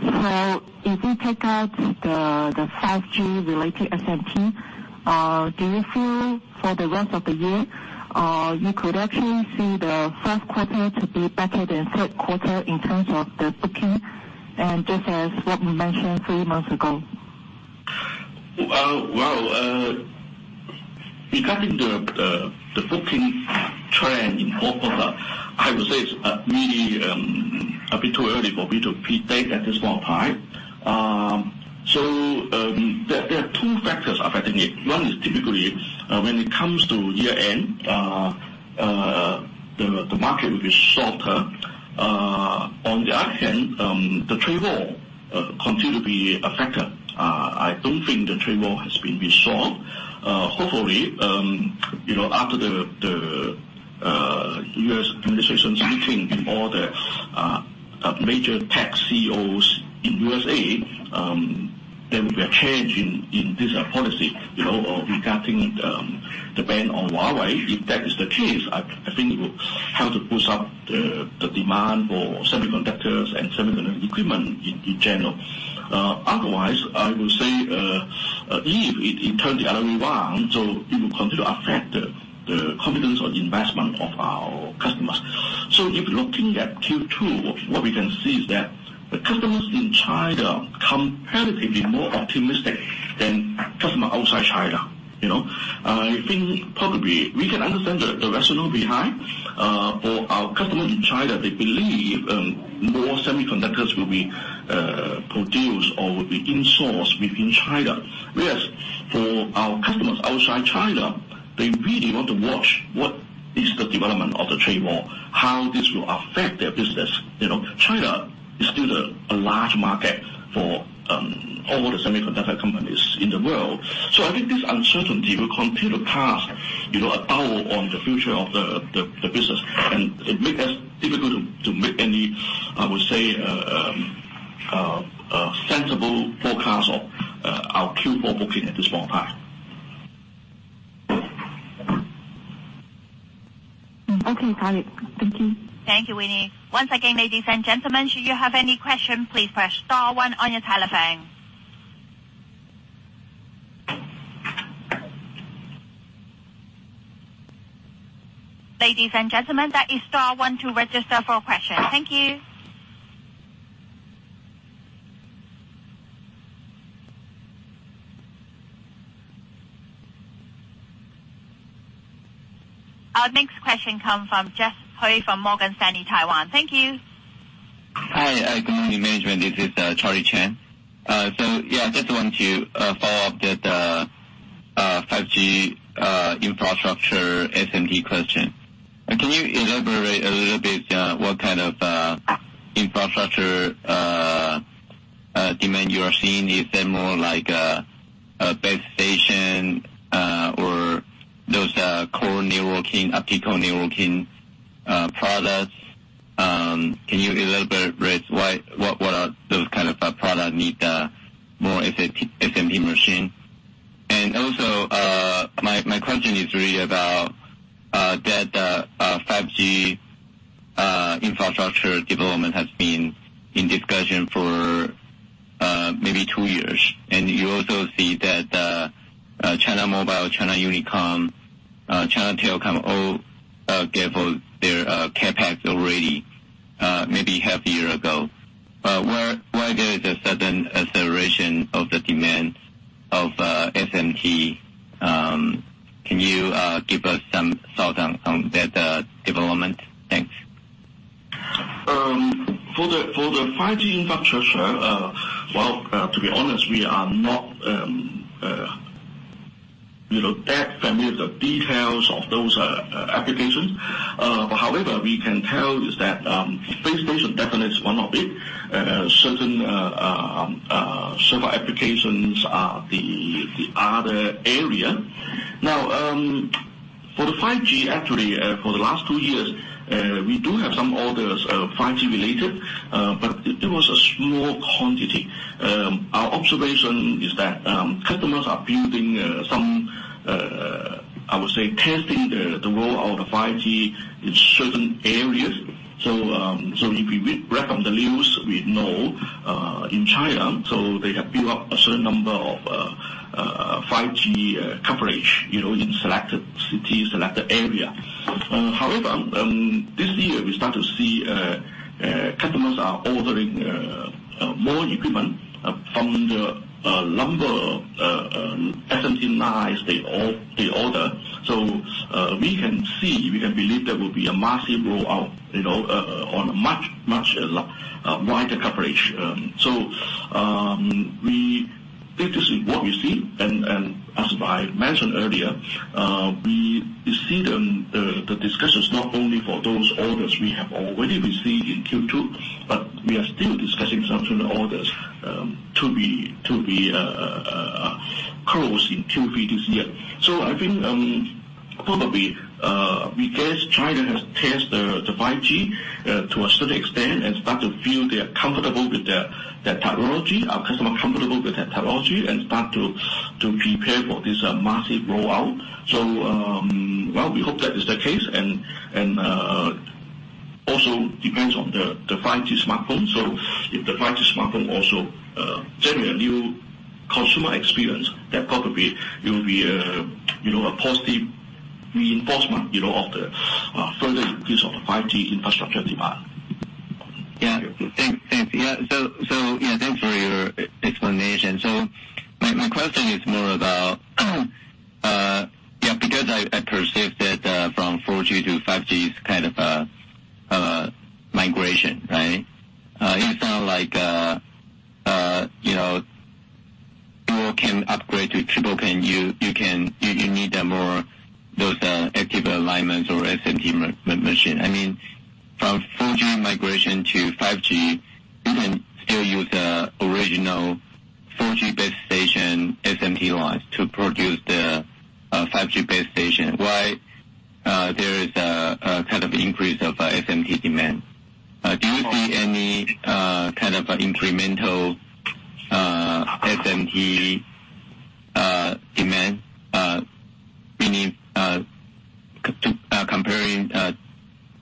so if we take out the 5G related SMT, do you feel for the rest of the year, you could actually see the first quarter to be better than third quarter in terms of the booking, and just as what we mentioned three months ago? Well, regarding the booking trend in Hong Kong, I would say it's really a bit too early for me to predict at this point in time. There are two factors affecting it. One is typically when it comes to year-end, the market will be shorter. On the other hand, the trade war continue to be a factor. I don't think the trade war has been resolved. Hopefully, after the U.S. administration's meeting with all the major tech CEOs in U.S., there will be a change in this policy regarding the ban on Huawei. If that is the case, I think it will help to boost up the demand for semiconductors and semiconductor equipment in general. Otherwise, I would say, if it turn the other way around, it will continue to affect the confidence or investment of our customers. If looking at Q2, what we can see is that the customers in China comparatively more optimistic than customer outside China. I think probably we can understand the rationale behind. For our customer in China, they believe more semiconductors will be produced or will be insourced within China. Whereas, for our customers outside China, they really want to watch what is the development of the Trade War, how this will affect their business. China is still a large market for all the semiconductor companies in the world. I think this uncertainty will continue to cast a doubt on the future of the business, and it make us difficult to make any, I would say, sensible forecast of our Q4 booking at this point in time. Okay. Got it. Thank you. Thank you, Winnie. Once again, ladies and gentlemen, should you have any question, please press star one on your telephone. Ladies and gentlemen, that is star one to register for a question. Thank you. Our next question come from Jeff Hui from Morgan Stanley, Taiwan. Thank you. Hi. Good morning, management. This is Charlie Chan. I just want to follow up with the 5G infrastructure SMT question. Can you elaborate a little bit what kind of infrastructure demand you are seeing? Is there more like a base station, or those core networking, optical networking products? Can you elaborate what are those kind of product need more SMT machine? My question is really about Infrastructure development has been in discussion for maybe two years. You also see that China Mobile, China Unicom, China Telecom all gave their CapEx already maybe half year ago. Why there is a sudden acceleration of the demands of SMT? Can you give us some thought on that development? Thanks. For the 5G infrastructure, well, to be honest, we are not that familiar with the details of those applications. We can tell you that base station definitely is one of it. Certain server applications are the other area. For the 5G, actually, for the last two years, we do have some orders, 5G related, but it was a small quantity. Our observation is that customers are building some, I would say, testing the role of the 5G in certain areas. If we read from the news, we know, in China, they have built up a certain number of 5G coverage in selected cities, selected area. This year, we start to see customers are ordering more equipment from the number of SMT lines they order. We can see, we can believe there will be a massive rollout on a much wider coverage. This is what we see, and as I mentioned earlier, we see the discussions not only for those orders we have already received in Q2, but we are still discussing some orders to be closed in Q3 this year. I think, probably, because China has tested the 5G to a certain extent and start to feel they are comfortable with the technology, our customer comfortable with that technology, and start to prepare for this massive rollout. Well, we hope that is the case, and also depends on the 5G smartphone. If the 5G smartphone also generate a new consumer experience, that probably will be a positive reinforcement of the further use of the 5G infrastructure demand. Yeah. Thanks. Thanks for your explanation. My question is more about because I perceived that from 4G to 5G is kind of a migration, right? It sounds like dual-cam upgrade to triple-cam, you need more of those active alignments or SMT machine. From 4G migration to 5G, you can still use the original 4G base station SMT lines to produce the 5G base station. Why there is an increase of SMT demand? Do you see any kind of incremental SMT demand comparing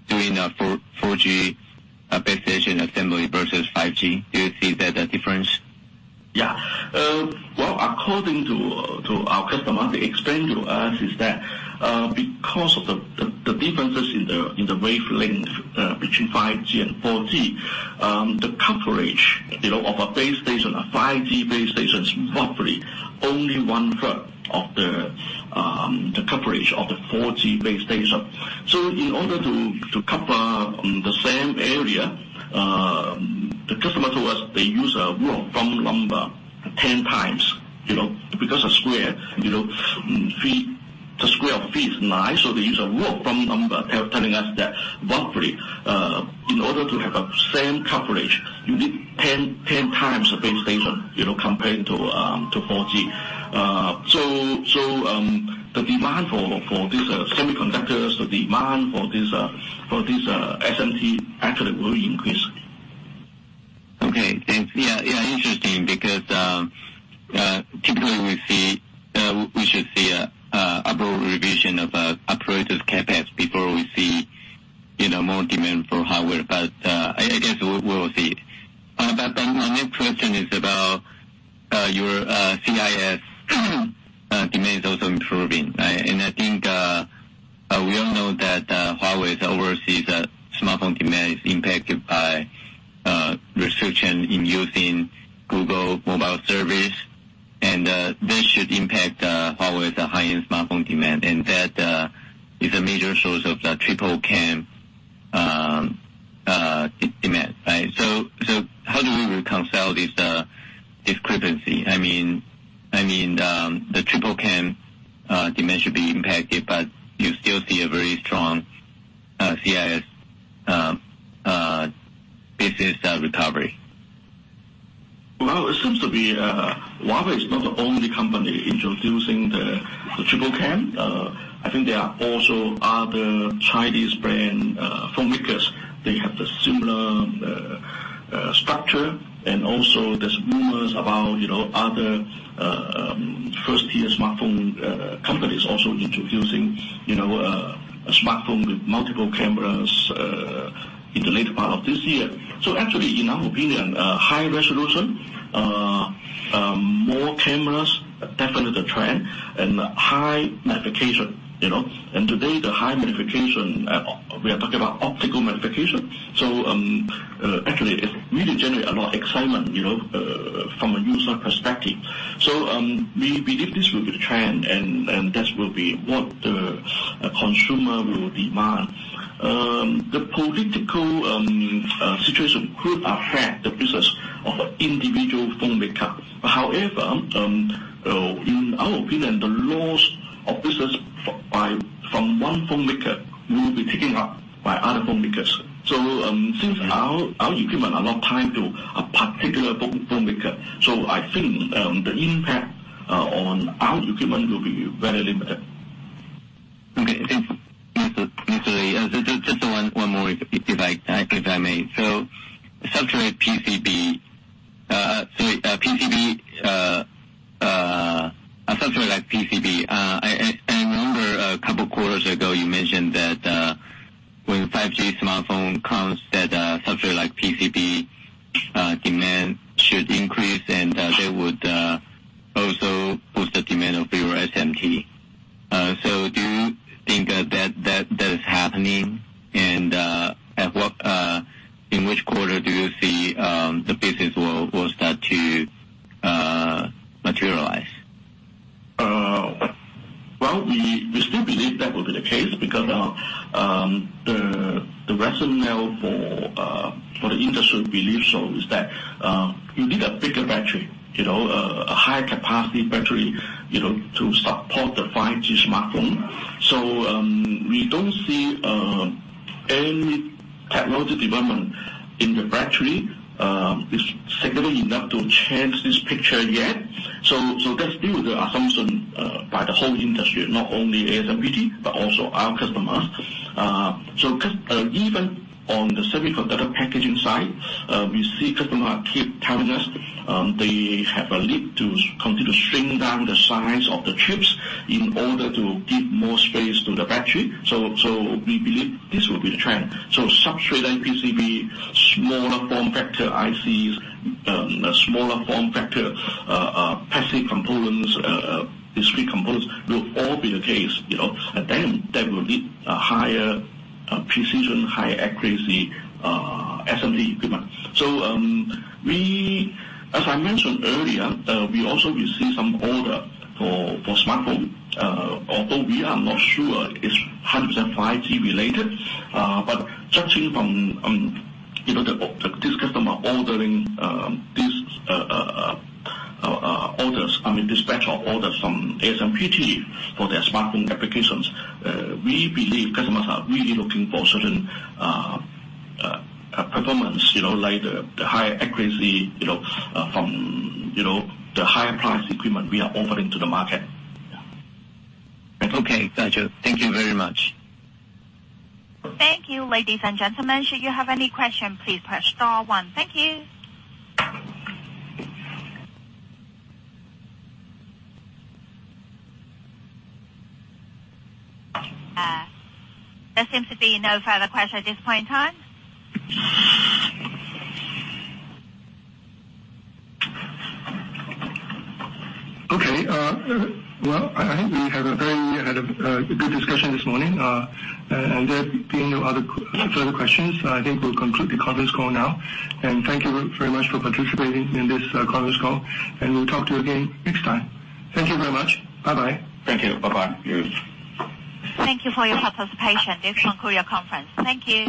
doing a 4G base station assembly versus 5G? Do you see that difference? Well, according to our customer, they explained to us is that because of the differences in the wavelength between 5G and 4G, the coverage of a base station, a 5G base station, is roughly only one-third of the coverage of the 4G base station. In order to cover the same area, the customer told us they use a rough thumb number 10 times. Because the square feet line, so they use a rough thumb number, telling us that roughly, in order to have the same coverage, you need 10 times the base station, compared to 4G. The demand for these semiconductors, the demand for this SMT actually will increase. Okay. Thanks. Yeah, interesting, because typically we should see a broad revision of operators' CapEx before we see more demand for hardware. I guess we will see. My next question is about your CIS. Demand is also improving, right? I think we all know that Huawei overseas smartphone demand is impacted by restriction in using Google mobile service, and this should impact Huawei's high-end smartphone demand, and that is a major source of the triple-cam demand. Right? How do we reconcile this discrepancy? I mean, the triple-cam demand should be impacted, but you still see a very strong CIS business recovery. Well, it seems to be Huawei is not the only company introducing the triple-cam. I think there are also other Chinese brand phone makers. They have the similar and also there's rumors about other first-tier smartphone companies also introducing a smartphone with multiple cameras in the later part of this year. Actually, in our opinion, high resolution, more cameras, are definitely the trend, and high magnification. Today, the high magnification, we are talking about optical magnification. Actually, it really generate a lot of excitement from a user perspective. We believe this will be the trend, and that will be what the consumer will demand. The political situation could affect the business of individual phone maker. However, in our opinion, the loss of business from one phone maker will be taken up by other phone makers. Since our equipment are not tied to a particular phone maker, so I think the impact on our equipment will be very limited. Okay. Thanks. Just one more if I may. Substrate PCB, sorry, a substrate like PCB. I remember a couple quarters ago you mentioned that when 5G smartphone comes, that a substrate like PCB demand should increase, and they would also boost the demand of your SMT. Do you think that is happening and in which quarter do you see the business will start to materialize? Well, we still believe that will be the case because the rationale for the industry belief so is that you need a bigger battery, a high capacity battery to support the 5G smartphone. We don't see any technology development in the battery is significantly enough to change this picture yet. That's still the assumption by the whole industry, not only ASMPT, but also our customers. Even on the semiconductor packaging side, we see customer keep telling us they have a need to continue to shrink down the size of the chips in order to give more space to the battery. We believe this will be the trend. Substrate and PCB, smaller form factor ICs, smaller form factor passive components, discrete components will all be the case. Then they will need a higher precision, higher accuracy SMT equipment. As I mentioned earlier, we also receive some order for smartphone. Although we are not sure it is 100% 5G related, but judging from this customer ordering these batch of orders from ASMPT for their smartphone applications, we believe customers are really looking for certain performance, like the higher accuracy from the higher price equipment we are offering to the market. Yeah. Okay, got you. Thank you very much. Thank you, ladies and gentlemen. Should you have any question, please press star one. Thank you. There seems to be no further questions at this point in time. Okay. Well, I think we had a good discussion this morning. There being no further questions, I think we'll conclude the conference call now. Thank you very much for participating in this conference call, and we'll talk to you again next time. Thank you very much. Bye bye. Thank you. Bye bye. Thank you for your participation in this conference call. Thank you